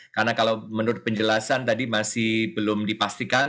karena kalau menurut penjelasan tadi masih belum dipastikan